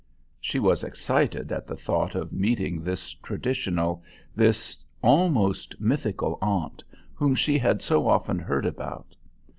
She was excited at the thought of meeting this traditional, this almost mythical aunt whom she had so often heard about.